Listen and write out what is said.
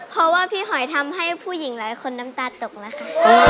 เพราะว่าพี่หอยทำให้ผู้หญิงหลายคนน้ำตาตกแล้วค่ะ